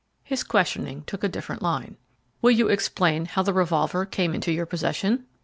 His questioning took a different line. "Will you explain how the revolver came into your possession?"